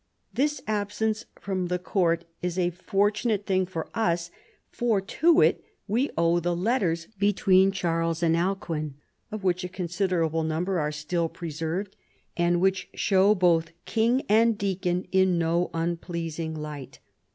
This absence from the court is a fortunate thing for us, for to it we owe the letters between Charles and Alcuin, of which a considerable number are still preserved, and which show both king and deacon in no unpleasing light.